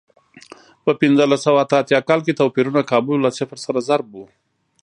په پنځلس سوه اته اتیا کال کې توپیرونه کابو له صفر سره ضرب و.